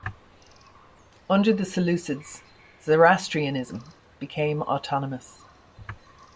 Under the Seleucids, Zoroastrianism became autonomous.